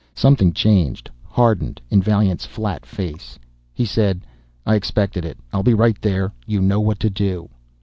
Something changed, hardened, in Vaillant's flat face. He said, "I expected it. I'll be right there. You know what to do."